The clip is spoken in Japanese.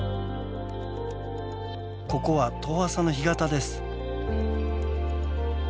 ここは遠浅の干潟です。